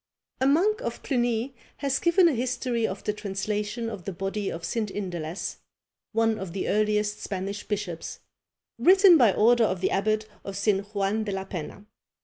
A monk of Cluny has given a history of the translation of the body of St. Indalece, one of the earliest Spanish bishops, written by order of the abbot of St. Juan de la Penna.